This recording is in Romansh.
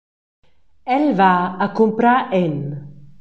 El va a cumprar en.